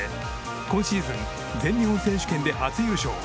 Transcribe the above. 今シーズン全日本選手権で初優勝。